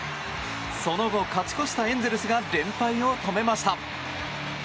その後、勝ち越したエンゼルスが連敗を止めました。